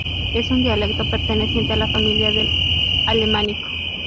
Es un dialecto perteneciente a la familia del Alemánico.